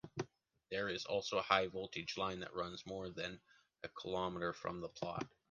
There is also a high voltage line that runs more than a kilometer from the plot.